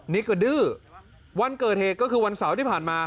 นี่ก็ดื้อวันเกิดเหตุก็คือวันเสาร์ที่ผ่านมา